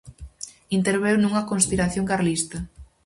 Interveu nunha conspiración carlista.